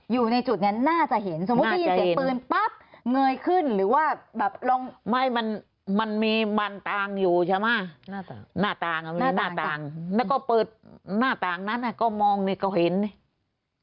อยู่ในจุดเนี่ยน่าจะเห็นสมมุติได้ยินเสียงปืนปั๊บเงยขึ้นหรือว่าแบบลองไม่มันมันมีมันต่างอยู่ใช่ไหมหน้าต่างหน้าต่างแล้วก็เปิดหน้าต่างนั้นก็มองนี่ก็เห็นนี่